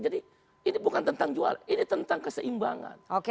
jadi ini bukan tentang jualan ini tentang keseimbangan